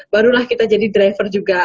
barulah kita jadi driver juga